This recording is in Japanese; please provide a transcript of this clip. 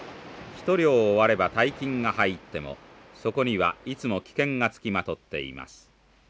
ひと漁終われば大金が入ってもそこにはいつも危険がつきまとっています。